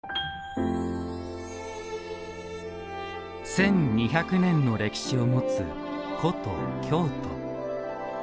１２００年の歴史を持つ古都・京都。